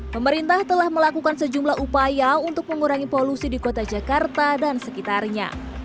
pemerintah telah melakukan sejumlah upaya untuk mengurangi polusi di kota jakarta dan sekitarnya